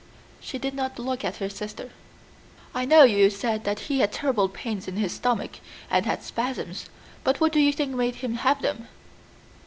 She did not look at her sister. "I know you said that he had terrible pains in his stomach, and had spasms, but what do you think made him have them?"